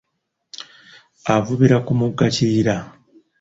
Avubira ku mugga Kiyira.